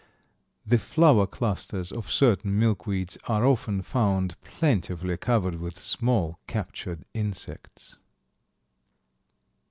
The flower clusters of certain milkweeds are often found plentifully covered with small captured insects.